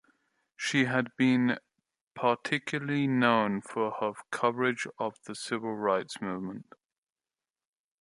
She had been particularly known for her coverage of the civil rights movement.